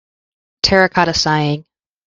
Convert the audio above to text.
Terracotta Sighing.